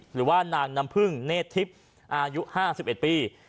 หรือว่านางน้ำพึ่งเนธทิพย์อายุ๕๑ปี